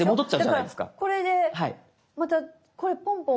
だからこれでまたこれポンポン。